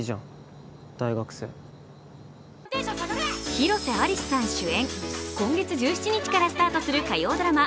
広瀬アリスさん主演、今月１７日からスタートする火曜ドラマ